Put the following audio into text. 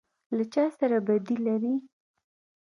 _ له چا سره بدي لری؟